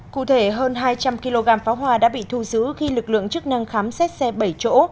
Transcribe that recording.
cụ thể hơn hai trăm linh kg pháo hoa đã bị thu giữ khi lực lượng chức năng khám xét xe bảy chỗ